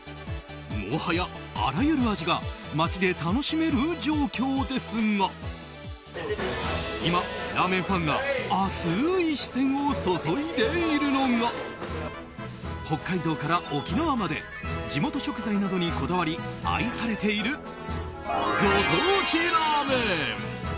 もはや、あらゆる味が街で楽しめる状況ですが今、ラーメンファンが熱い視線を注いでいるのが北海道から沖縄まで地元食材などにこだわり愛されているご当地ラーメン。